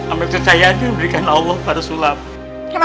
amal kecayaan yang diberikan allah pada sulam